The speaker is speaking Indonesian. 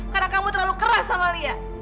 karena kamu terlalu keras sama liha